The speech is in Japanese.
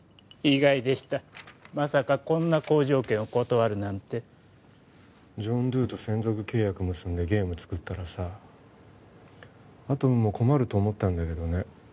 意外でしたまさかこんな好条件を断るなんてジョン・ドゥと専属契約結んでゲーム作ったらさアトムも困ると思ったんだけどね